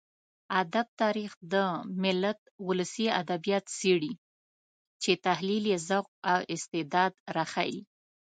ادب تاريخ د ملت ولسي ادبيات څېړي چې تحليل يې ذوق او استعداد راښيي.